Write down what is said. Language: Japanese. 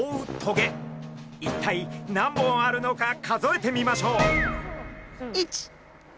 一体何本あるのか数えてみましょう。